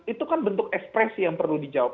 itu kan bentuk ekspresi yang perlu dijawab